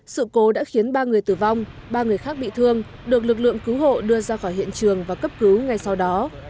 sự cố đã khiến ba người tử vong ba người khác bị thương được lực lượng cứu hộ đưa ra khỏi hiện trường và cấp cứu ngay sau đó